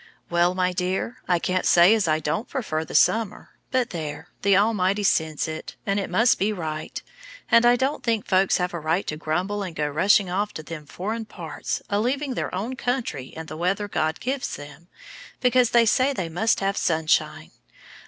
"Well, my dear, I can't say as I don't prefer the summer; but there! the Almighty sends it, and it must be right, and I don't think folks have a right to grumble and go rushing off to them foreign parts, a leaving their own country and the weather God gives them, because they say they must have sunshine.